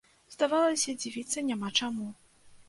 Здавалася, дзівіцца няма чаму.